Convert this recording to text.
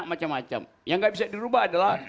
macam macam yang gak bisa diubah adalah